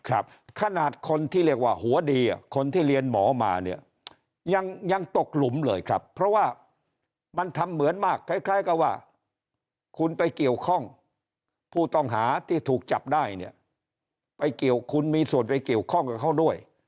ขนาดคนที่เรียกว่าหัวดีอ่ะคนที่เรียนหมอมาเนี่ยยังยังตกหลุมเลยครับเพราะว่ามันทำเหมือนมากคล้ายคล้ายกับว่าคุณไปเกี่ยวข้องผู้ต้องหาที่ถูกจับได้เนี่ยไปเกี่ยวคุณมีส่วนไปเกี่ยวข้องกับเขาด้วย